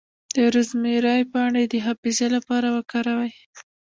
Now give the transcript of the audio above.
د روزمیری پاڼې د حافظې لپاره وکاروئ